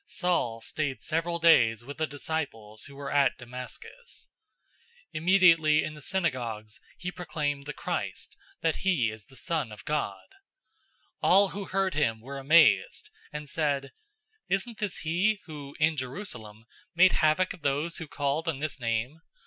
Saul stayed several days with the disciples who were at Damascus. 009:020 Immediately in the synagogues he proclaimed the Christ, that he is the Son of God. 009:021 All who heard him were amazed, and said, "Isn't this he who in Jerusalem made havoc of those who called on this name?